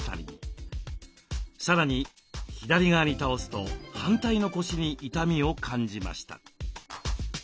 さらに左側に倒すと反対の腰に痛みを感じました。